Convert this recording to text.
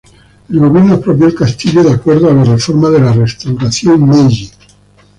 El gobierno expropió el castillo de acuerdo a las reformas de la Restauración Meiji.